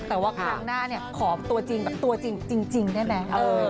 แต่ว่าครั้งหน้าขอตัวจริงแน่